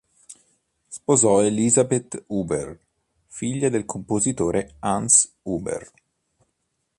Sposò Elisabeth Huber, figlia del compositore Hans Huber.